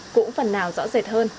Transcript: cũng phần nào rõ rệt hơn